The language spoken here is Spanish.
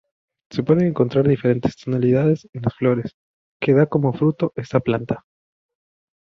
Se pueden encontrar diferentes tonalidades en las flores que da como fruto esta planta.